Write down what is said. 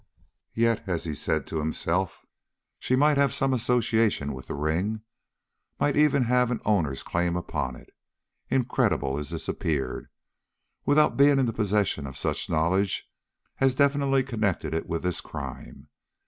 Yet, as he said to himself, she might have some association with the ring, might even have an owner's claim upon it, incredible as this appeared, without being in the possession of such knowledge as definitely connected it with this crime.